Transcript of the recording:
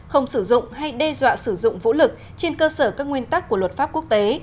không sử dụng hay đe dọa sử dụng vũ lực trên cơ sở các nguyên tắc của luật pháp quốc tế